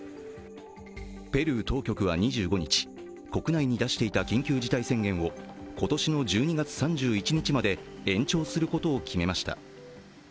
ペルー当局は２５日、国内に出していた緊急事態宣言を今年の１２月３１日まで延長することを決めました。